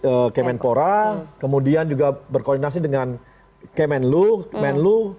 plt kementpora kemudian juga berkoordinasi dengan kemenlu